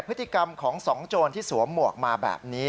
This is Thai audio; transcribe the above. พฤติกรรมของสองโจรที่สวมหมวกมาแบบนี้